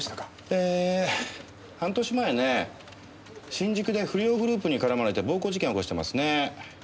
えー半年前ね新宿で不良グループに絡まれて暴行事件を起こしてますね。